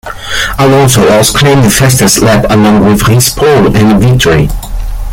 Alonso also claimed fastest lap along with his pole and victory.